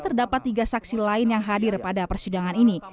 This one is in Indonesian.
terdapat tiga saksi lain yang hadir pada persidangan ini